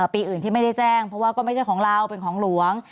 ปีอื่นที่ไม่ได้แจ้งเพราะว่าก็ไม่ใช่ของเราเป็นของหลวง